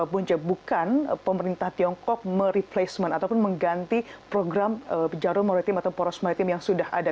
punca bukan pemerintah tiongkok mereplacement ataupun mengganti program jarum maritim atau poros maritim yang sudah ada